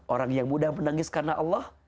orang yang mudah menangis karena allah